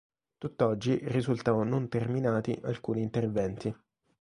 Tutt'oggi risultano non terminati alcuni interventi.